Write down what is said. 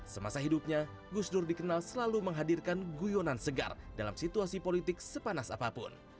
semasa hidupnya gus dur dikenal selalu menghadirkan guyonan segar dalam situasi politik sepanas apapun